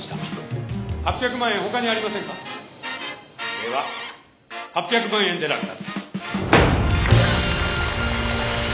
では８００万円で落札。